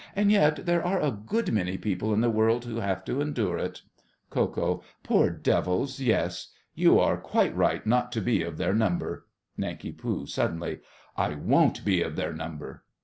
And yet there are a good many people in the world who have to endure it. KO. Poor devils, yes! You are quite right not to be of their number. NANK. (suddenly). I won't be of their number!